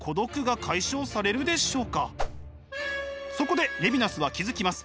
そこでレヴィナスは気付きます。